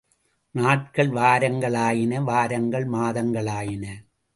நாட்கள் வாரங்களாயின வாரங்கள் மாதங்களாயின.